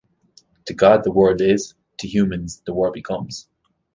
To God the world is, to humans the world becomes.